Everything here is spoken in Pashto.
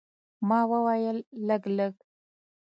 ما وویل، لږ، لږ.